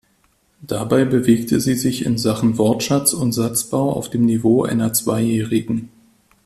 Dabei bewegte sie sich in Sachen Wortschatz und Satzbau auf dem Niveau einer Zweijährigen.